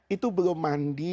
itu belum mandi